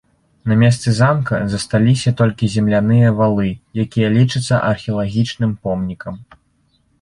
На месцы замка засталіся толькі земляныя валы, якія лічацца археалагічным помнікам.